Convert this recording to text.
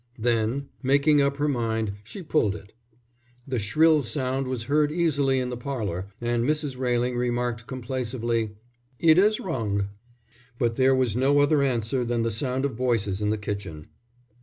Then, making up her mind, she pulled it. The shrill sound was heard easily in the parlour, and Mrs. Railing remarked complacently: "It 'as rung." But there was no other answer than the sound of voices in the kitchen.